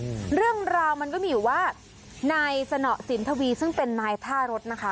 อืมเรื่องราวมันก็มีอยู่ว่านายสนสินทวีซึ่งเป็นนายท่ารถนะคะ